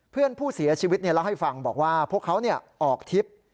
เพื่อนผู้เสียชีวิตเล่าให้ฟังบอกว่าพวกเขาออกทริป